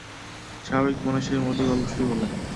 স্বাভাবিক মানুষের মতো গল্প শুরু করলেন।